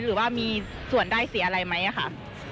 หรือว่ามีส่วนได้เสียอะไรไหมค่ะ